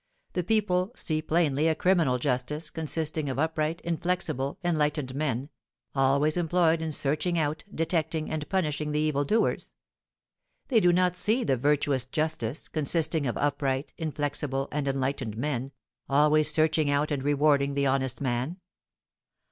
The people see plainly a criminal justice, consisting of upright, inflexible, enlightened men, always employed in searching out, detecting, and punishing the evil doers. They do not see the virtuous justice, consisting of upright, inflexible, and enlightened men, always searching out and rewarding the honest man.